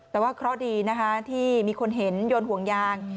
แต่ว่าเค้าดีที่มีคนเห็นยนต์ห่วงยาง